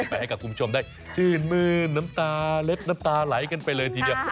ไปให้กับคุณผู้ชมได้ชื่นมื้นน้ำตาเล็บน้ำตาไหลกันไปเลยทีเดียว